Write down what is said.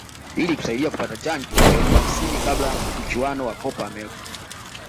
ili kusaidia kupata chanjo elfu hamsini kabla ya mchuano wa Copa America